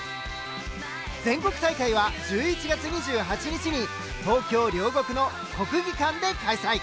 全国大会は１１月２８日に東京・両国の国技館で開催。